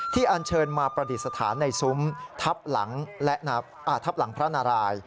ที่อันเชิญมาประดิษฐานในซุมทัพหลังพระนาลาย